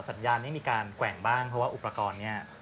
สัญญาณนี้มีการแกว่งบ้างเพราะว่าอุปกรณ์เนี่ย